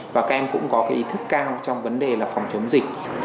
và các em cũng có cái ý thức cao trong vấn đề là phòng chống dịch